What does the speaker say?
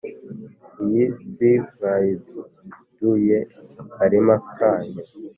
iyi si mwayihinduye akarima kanyu,